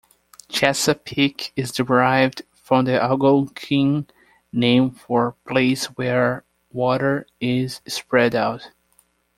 Chesapeake is derived from the Algonquin name for "place where water is spread out".